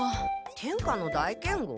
天下の大剣豪？